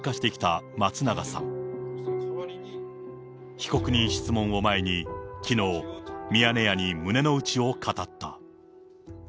被告人質問を前に、きのう、ミヤネ屋に胸の内を語った。